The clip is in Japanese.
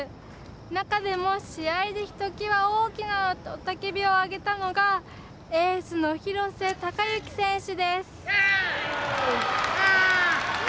中でも、試合でひときわ大きな雄たけびを上げたのがエースの廣瀬隆喜選手です。